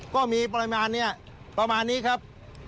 ก็มีปริมาณนี้ประมาณนี้ครับ